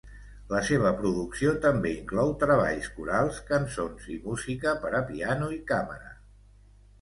La seva producció també inclou treballs corals, cançons i música per a piano i càmera.